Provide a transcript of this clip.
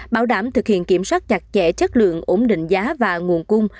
bảo đảm thực hiện kiểm soát chặt chẽ chất lượng ổn định giá và nguồn cung